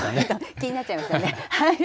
気になっちゃいますよね。